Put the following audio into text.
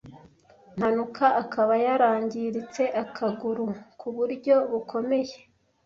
mpanuka akaba yarangiritse akaguru ku buryo bukomeye